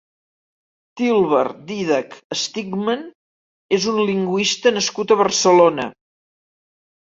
Tilbert Dídac Stegmann és un lingüista nascut a Barcelona.